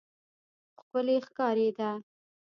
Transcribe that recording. ښکلی ښکارېده.